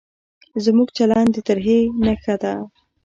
زموږ چلند د ترهې نښه ده.